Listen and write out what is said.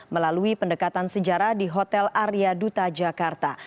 melalui pendekatan sejarah di hotel arya duta jakarta